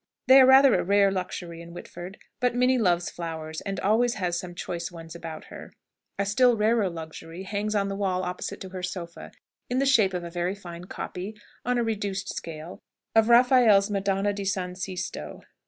They are rather a rare luxury in Whitford; but Minnie loves flowers, and always has some choice ones about her. A still rarer luxury hangs on the wall opposite to her sofa, in the shape of a very fine copy on a reduced scale of Raphael's Madonna di San Sisto.